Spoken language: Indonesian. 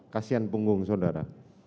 kasian punggung saudara